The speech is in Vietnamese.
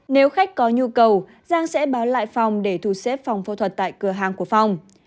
nếu khách có nhu cầu giang sẽ báo lại phòng để thu xếp phòng phẫu thuật tại cửa hàng của phong